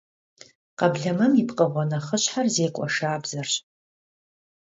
Kheblemem yi pkhığue nexhışher zêk'ue şşabzeperş.